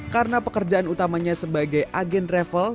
karena pekerjaan utamanya sebagai agen travel